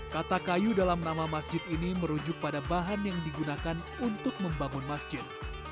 kata kayu dalam nama masjid ini merujuk pada bahan yang digunakan untuk membangun masjid